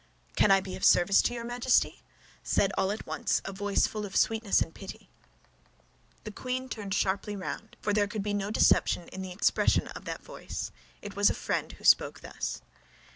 "Can I be of service to your Majesty?" said all at once a voice full of sweetness and pity. The queen turned sharply round, for there could be no deception in the expression of that voice; it was a friend who spoke thus.